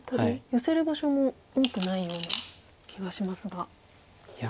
ヨセる場所も多くないような気がしますが。